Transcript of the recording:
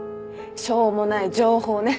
しょうもない情報ね。